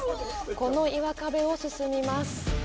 この岩壁を進みます。